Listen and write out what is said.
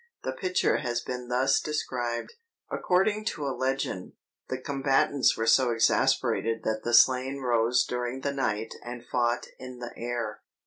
The picture has been thus described: "According to a legend, the combatants were so exasperated that the slain rose during the night and fought in the air.